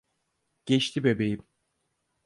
Geçti bebeğim.